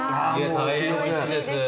大変おいしいです。